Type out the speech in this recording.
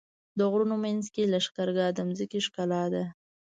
د غرونو منځ کې لښکرګاه د ځمکې ښکلا ده.